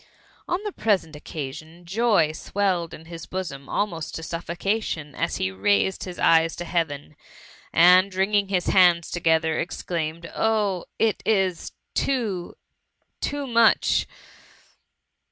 On the present occasion, joy swelled in his bosom almost to suffi>cation, as he raised his eyes to Heaven, and, wringing his handa together, exclaimed, *' Oh ! it is too « too much